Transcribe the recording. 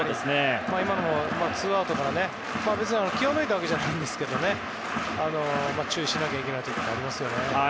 今のもツーアウトから気を抜いたわけではないんですけど注意しなければいけないことがありますよね。